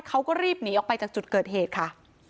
เขาก็รีบหนีออกไปจากจุดเกิดเหตุค่ะ